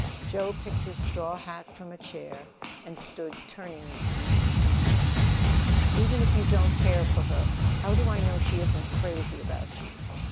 Joe picked his straw hat from a chair and stood turning it in his hands. "Even if you don't care for her, how do I know she isn't crazy about you?"